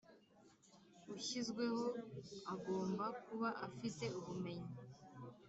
Ushyizweho agomba kuba afite ubumenyi